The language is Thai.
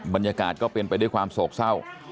บรรยากาศก็เป็นไปด้วยความโศกเศร้า